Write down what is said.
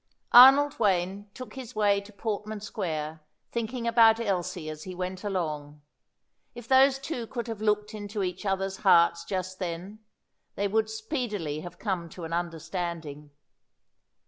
Arnold Wayne took his way to Portman Square, thinking about Elsie as he went along. If those two could have looked into each other's hearts just then, they would speedily have come to an understanding.